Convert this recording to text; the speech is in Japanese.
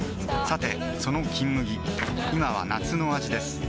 さてその「金麦」今は夏の味です